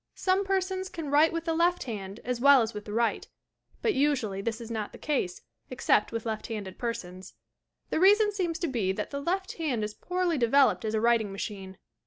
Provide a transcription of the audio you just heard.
Some persons can write with the left hand as well as with the right, but usually this is not the case, except with left handed persons. The reason seems to be that the left hand is poorly developed as a writing machine.